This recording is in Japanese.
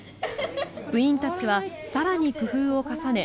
部員たちは更に工夫を重ね